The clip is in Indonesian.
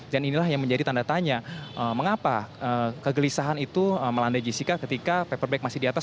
dan inilah yang menjadi tanda tanya mengapa kegelisahan itu melanda jessica ketika paperback masih di atas